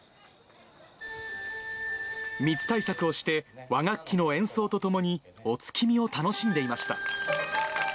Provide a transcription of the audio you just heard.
密対策をして、和楽器の演奏とともにお月見を楽しんでいました。